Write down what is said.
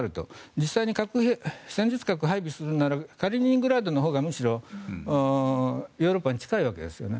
実際に戦術核を配備するのであればカリーニングラードのほうがむしろヨーロッパに近いわけですよね。